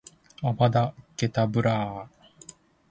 アバダ・ケタブラぁ！！！